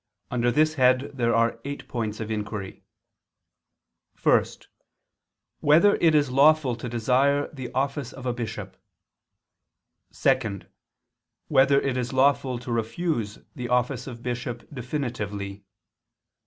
Under this head there are eight points of inquiry: (1) Whether it is lawful to desire the office of a bishop? (2) Whether it is lawful to refuse the office of bishop definitively?